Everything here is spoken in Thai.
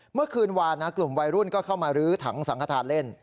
เมื่อคืนวานกลุ่มวัยรุ่นก็เข้ามารื้อถังสังฆษาธรรมเล่น